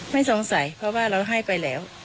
ไม่สงสัยเพราะว่าเราให้ไปแล้ว